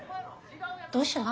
どうしたん？